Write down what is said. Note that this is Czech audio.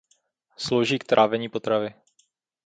Slouží k trávení potravy.